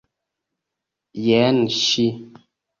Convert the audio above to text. Jen ŝi!